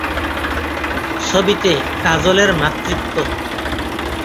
ছবিতে কাজলের মাতৃত্ব